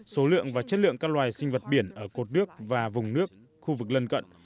số lượng và chất lượng các loài sinh vật biển ở cột nước và vùng nước khu vực lân cận